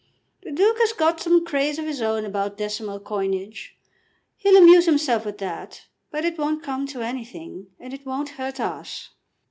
The Duke has got some craze of his own about decimal coinage. He'll amuse himself with that; but it won't come to anything, and it won't hurt us."